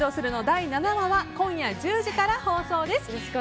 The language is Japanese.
第７話は今夜１０時から放送です。